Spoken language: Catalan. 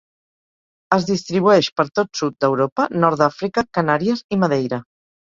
Es distribueix per tot sud d'Europa, nord d'Àfrica, Canàries i Madeira.